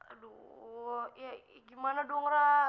aduh ya gimana dong rak